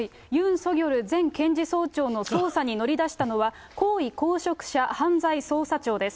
ソギョル前検事総長の捜査に乗り出したのは、高位公職者犯罪捜査庁です。